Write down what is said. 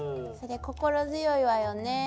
それ心強いわよね。